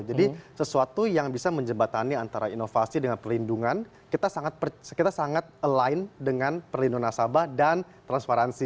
jadi sesuatu yang bisa menjebatani antara inovasi dengan perlindungan kita sangat align dengan perlindungan nasabah dan transparansi